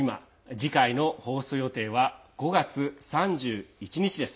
次回の放送予定は５月３１日です。